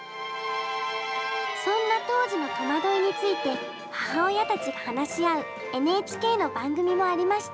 そんな当時の戸惑いについて母親たちが話し合うＮＨＫの番組もありました。